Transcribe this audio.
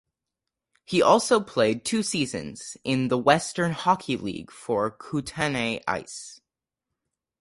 He also played two seasons in the Western Hockey League for the Kootenay Ice.